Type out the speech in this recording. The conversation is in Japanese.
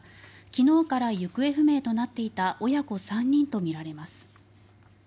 昨日から行方不明となっていた親子３人とみられます。